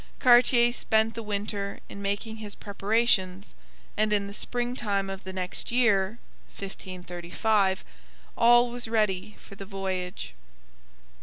Cartier spent the winter in making his preparations, and in the springtime of the next year (1535) all was ready for the voyage.